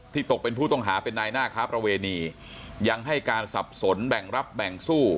ตกเป็นผู้ต้องหาเป็นนายหน้าค้าประเวณียังให้การสับสนแบ่งรับแบ่งสู้